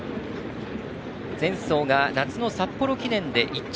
前走が夏の札幌記念で１着。